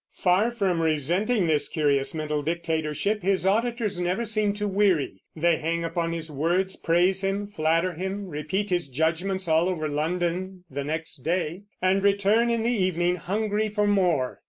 Far from resenting this curious mental dictatorship, his auditors never seem to weary. They hang upon his words, praise him, flatter him, repeat his judgments all over London the next day, and return in the evening hungry for more.